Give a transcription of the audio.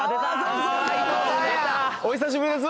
お久しぶりです